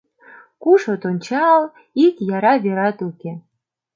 Куш от ончал, ик яра верат уке.